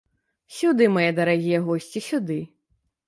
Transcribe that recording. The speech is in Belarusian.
Сюды, мае дарагія госці, сюды.